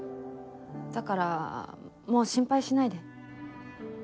だからもう心配しないで。